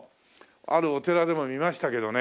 あるお寺でも見ましたけどね